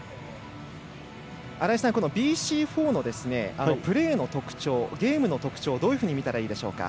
ＢＣ４のプレーの特徴ゲームの特徴どういうふうに見たらいいでしょうか。